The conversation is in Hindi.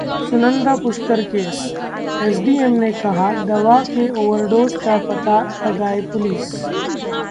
सुनंदा पुष्कर केस: एसडीएम ने कहा, दवा के ओवरडोज का पता लगाए पुलिस